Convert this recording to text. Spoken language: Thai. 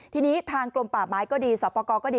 ทีนี้ทางกลมป่าไม้ก็ดีสอบประกอบก็ดี